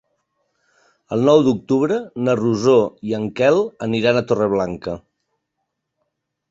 El nou d'octubre na Rosó i en Quel aniran a Torreblanca.